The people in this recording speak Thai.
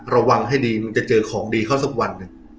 ระวังให้ดีมึงจะเจอของดีเข้าสักวันหนึ่ง